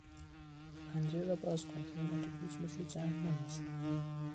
پنجره را باز کن که این اتوبوس مثل جهنم است!